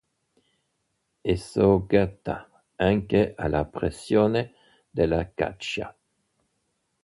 È soggetta anche alla pressione della caccia.